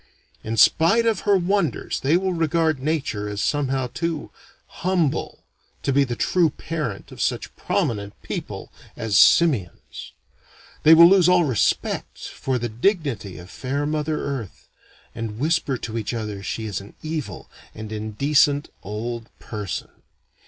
In spite of her wonders they will regard Nature as somehow too humble to be the true parent of such prominent people as simians. They will lose all respect for the dignity of fair Mother Earth, and whisper to each other she is an evil and indecent old person.